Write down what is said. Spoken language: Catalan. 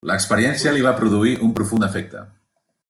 L'experiència li va produir un profund efecte.